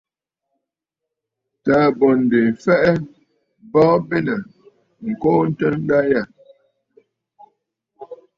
Taà bô ǹdè fɛʼɛ, bɔɔ bênə̀ ŋ̀kɔɔntə nda yâ.